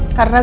gak ada sa